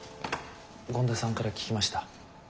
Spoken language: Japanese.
権田さんから聞きました。